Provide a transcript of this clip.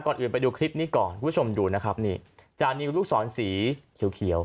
ก่อนอื่นไปดูคลิปนี้ก่อนคุณผู้ชมดูนะครับนี่จานิวลูกศรสีเขียวเขียว